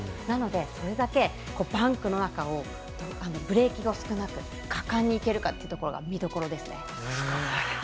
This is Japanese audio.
なので、それだけバンクの中をブレーキを少なく果敢にいけるかというところが見どころですね。